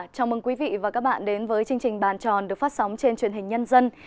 chào mừng quý vị và các bạn đến với chương trình bàn tròn được phát sóng trên truyền hình nhân dân